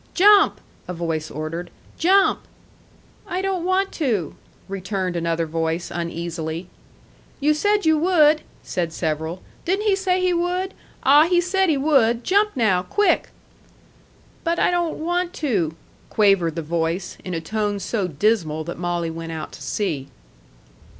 "Jump!" a voice ordered. "Jump!" "I don't want to," returned another voice, uneasily. "You said you would," said several. "Didn't he say he would? Ah, he said he would. Jump now, quick!" "But I don't want to," quavered the voice in a tone so dismal that Molly went out to see.